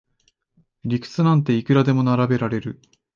理屈なんていくらでも並べられる